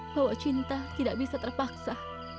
bahwa cinta tidak bisa terpaksa